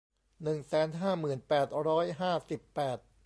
หนึ่งแสนห้าหมื่นแปดร้อยห้าสิบแปด